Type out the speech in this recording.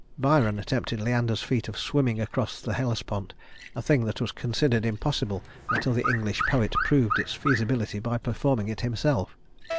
Byron attempted Leander's feat of swimming across the Hellespont, a thing that was considered impossible until the English poet proved its feasibility by performing it himself.